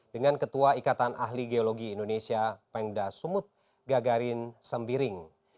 dengan ketua ikatan ahli geologi indonesia pengda sumut gagarin sembiring